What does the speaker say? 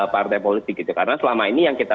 partai politik gitu karena selama ini yang kita